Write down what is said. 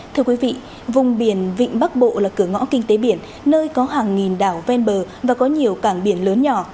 thưa quý vị vùng biển vịnh bắc bộ là cửa ngõ kinh tế biển nơi có hàng nghìn đảo ven bờ và có nhiều cảng biển lớn nhỏ